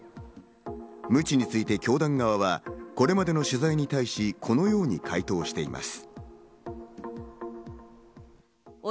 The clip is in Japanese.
ムチについて教団側は、これまでの取材に対し、このように回答しています。